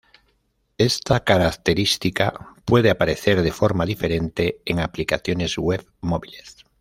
Esta característica puede aparecer de forma diferente en aplicaciones web móviles.